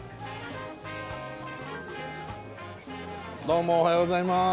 どうもおはようございます。